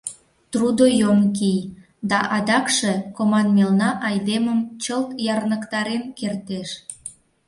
Трудоёмкий да адакше команмелна айдемым чылт ярныктарен кертеш.